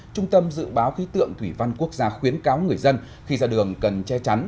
trung tâm dự báo khí tượng thủy văn quốc gia khuyến cáo người dân khi ra đường cần che chắn